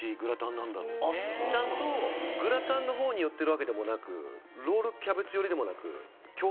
ちゃんとグラタンの方に寄ってるわけでもなくロールキャベツ寄りでもなく。